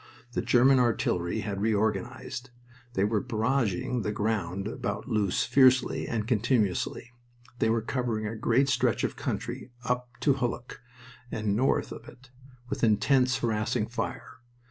The German artillery had reorganized. They were barraging the ground about Loos fiercely and continuously. They were covering a great stretch of country up to Hulluch, and north of it, with intense harassing fire.